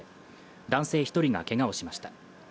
男性１人がけがをしました。